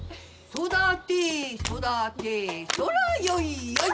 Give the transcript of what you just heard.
「育て育てそらよいよい」